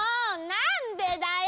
なんでだよ！